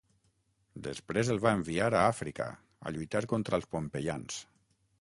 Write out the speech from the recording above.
Després el va enviar a Àfrica a lluitar contra els pompeians.